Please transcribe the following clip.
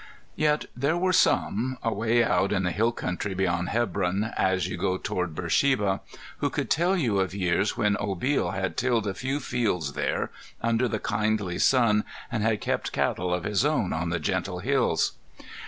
Yet there were some, away out in the hill country beyond Hebron, as you go toward Beersheba, who could tell of years when Obil had tilled a few fields there under the kindly sun and had kept cattle of his own on the gentle hills.